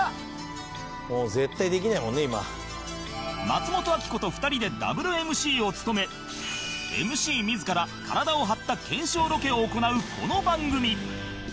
松本明子と２人でダブル ＭＣ を務め ＭＣ 自ら体を張った検証ロケを行うこの番組